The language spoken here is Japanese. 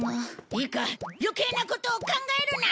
いいか余計なことを考えるな！